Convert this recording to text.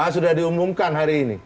sudah diumumkan hari ini